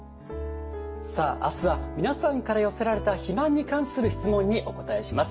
さあ明日は皆さんから寄せられた肥満に関する質問にお答えします。